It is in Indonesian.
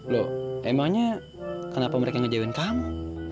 loh emangnya kenapa mereka ngejawain kamu